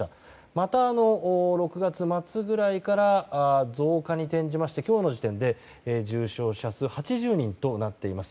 また、６月末くらいから増加に転じまして今日の時点で重症者数が８０人となっています。